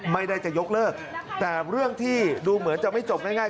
ไม่ได้จะยกเลิกแต่เรื่องที่ดูเหมือนจะไม่จบง่าย